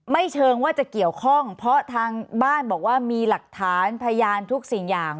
เชิงว่าจะเกี่ยวข้องเพราะทางบ้านบอกว่ามีหลักฐานพยานทุกสิ่งอย่าง